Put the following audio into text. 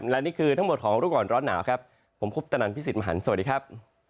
และนี่คือทั้งหมดของรูปก่อนร้อนหนาวครับผมพุทธนันพี่สิทธิมหันฯสวัสดีครับ